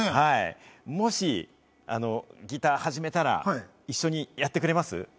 もしギター始めたら一緒にやってくれます？